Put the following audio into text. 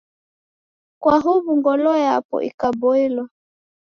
Kwa huw'u ngolo yapo ikaboilwa.